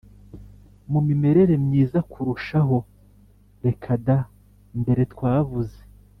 mu mimerere myiza kurushaho Reka da Mbere twavuze